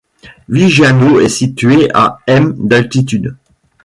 Viggiano est situé à m. d'altitude.